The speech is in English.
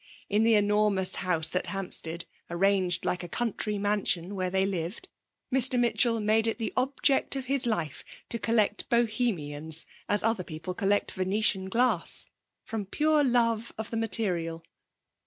In the enormous house at Hampstead, arranged like a country mansion, where they lived, Mr. Mitchell made it the object of his life to collect Bohemians as other people collect Venetian glass, from pure love of the material.